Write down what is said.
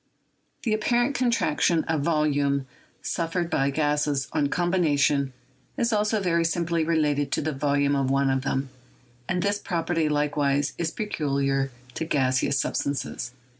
... The apparent contraction of volume suf fered by gases on combination is also very simply related to the volume of one of them, and this property likewise is peculiar to gaseous substances."